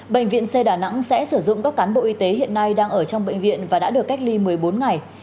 bệnh viện c đà nẵng sẽ sử dụng các cán bộ y tế hiện nay đang ở trong bệnh viện và đã được cách ly một mươi bốn ngày